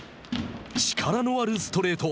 力のあるストレート。